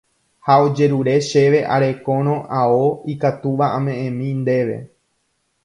ha ojerure chéve arekórõ ao ikatúva ame'ẽmi ndéve